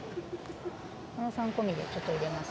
狩野さん込みでちょっと入れますね。